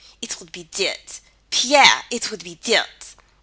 It would be dirt. Pierre, it would be dirt.